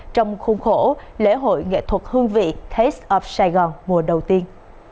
trong khuôn khổ lễ hội nghệ thuật hương vị taste of saigon mùa đầu tiên